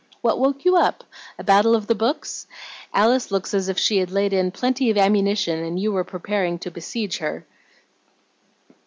What woke you up? A battle of the books? Alice looks as if she had laid in plenty of ammunition, and you were preparing to besiege her."